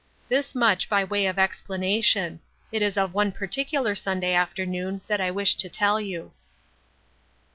Thus much by way of explanation; it is of one particular Sunday afternoon that I wish to tell you.